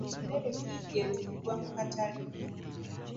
Emmere nnyingi etundibwa mu katale.